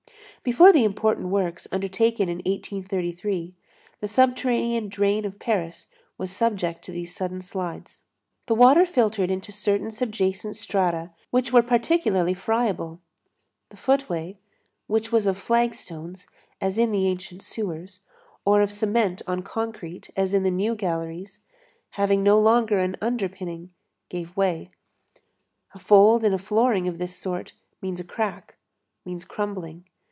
Before the important works, undertaken in 1833, the subterranean drain of Paris was subject to these sudden slides. The water filtered into certain subjacent strata, which were particularly friable; the foot way, which was of flag stones, as in the ancient sewers, or of cement on concrete, as in the new galleries, having no longer an underpinning, gave way. A fold in a flooring of this sort means a crack, means crumbling.